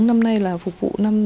năm nay là phục vụ